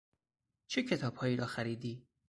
چه کتابهایی را خریدی؟